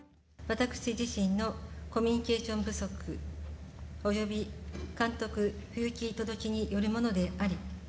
私自身のコミュニケーション不足および監督不行き届きによるものであり。